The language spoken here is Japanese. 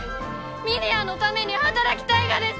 峰屋のために働きたいがです！